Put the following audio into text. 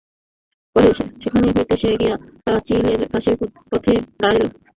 পরে সেখান হইতে সে গিয়া পাচিলের পাশের পথে দাঁড়াইল।